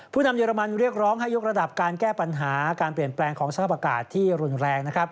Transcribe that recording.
นำเยอรมันเรียกร้องให้ยกระดับการแก้ปัญหาการเปลี่ยนแปลงของสภาพอากาศที่รุนแรงนะครับ